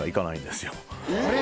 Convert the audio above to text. えっ？